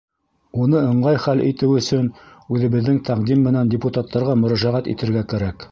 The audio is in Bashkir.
Уны ыңғай хәл итеү өсөн үҙебеҙҙең тәҡдим менән депутаттарға мөрәжәғәт итергә кәрәк.